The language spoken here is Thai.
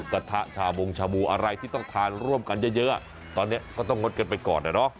กระทะฉาบูอะไรที่ต้องทานร่วมกันเยอะก็ต้องงดไปก่อน